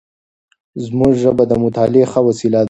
زموږ ژبه د مطالعې ښه وسیله ده.